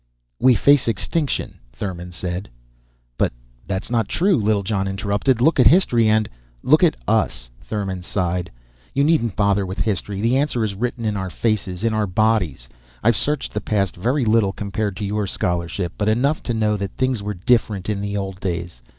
"We face extinction," Thurmon said. "But that's not true," Littlejohn interrupted. "Look at history and " "Look at us." Thurmon sighed. "You needn't bother with history. The answer is written in our faces, in our own bodies. I've searched the past very little, compared to your scholarship, but enough to know that things were different in the old days.